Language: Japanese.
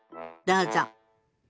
どうぞ。